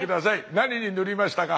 何に塗りましたか？